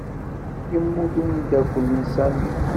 Yemmut umeddakel n Sami.